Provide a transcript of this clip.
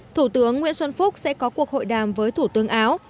thủ tướng nguyễn xuân phúc sẽ có cuộc hội đàm với thủ tướng áo